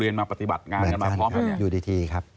เรียนมาปฏิบัติงานกันมาพร้อมครับ